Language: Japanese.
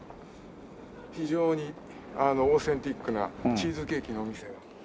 非常にオーセンティックなチーズケーキのお店が。